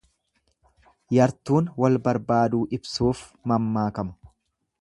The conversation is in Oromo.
Yartuun wal barbaaduu ibsuuf mammaakama.